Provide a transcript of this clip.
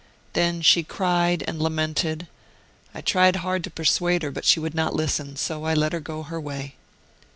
Then she cried and lamented ; I tried hard to persuade her, but she would not listen, so I let her go her way.